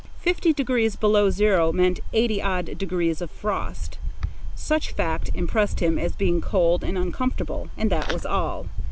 Fifty degrees below zero meant eighty odd degrees of frost. Such fact impressed him as being cold and uncomfortable, and that was all.